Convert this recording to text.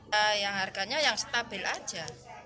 harganya yang stabil saja